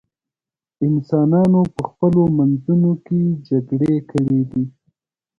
انسانانو په خپلو منځونو کې جګړې کړې دي.